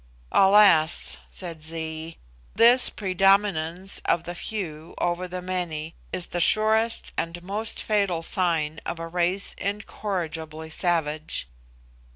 "Alas," said Zee, "this predominance of the few over the many is the surest and most fatal sign of a race incorrigibly savage.